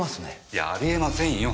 いやあり得ませんよ。